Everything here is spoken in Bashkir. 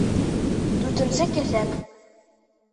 Дүртенсе киҫәк.